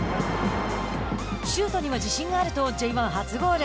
シュートには自信があるとＪ１初ゴール。